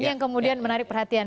ini yang kemudian menarik perhatian